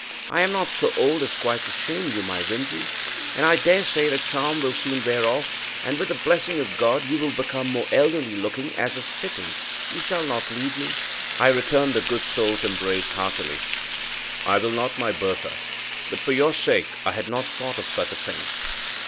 I am not so old as quite to shame you, my Winzy; and I daresay the charm will soon wear off, and, with the blessing of God, you will become more elderly looking, as is fitting; you shall not leave me." I returned the good soul's embrace heartily. "I will not, my Bertha; but for your sake I had not thought of such a thing.